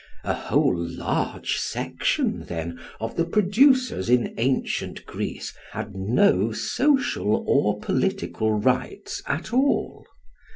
A whole large section, then, of the producers in ancient Greece had no social or political rights at all.